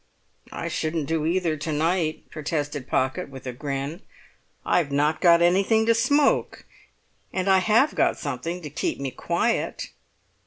"I shouldn't do either to night," protested Pocket, with a grin. "I've not got anything to smoke, and I have got something to keep me quiet."